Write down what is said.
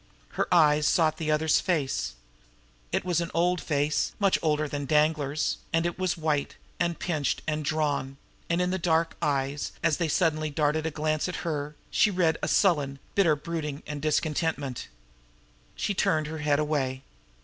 Her eyes sought the other's face. It was an old face, much older than Danglar's, and it was white and pinched and drawn; and in the dark eyes, as they suddenly darted a glance at her, she read a sullen, bitter brooding and discontent. She turned her head away.